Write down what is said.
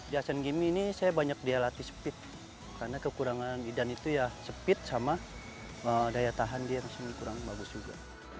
di asean games ini saya banyak dia latih speed karena kekurangan idan itu ya speed sama daya tahan dia di sini kurang bagus juga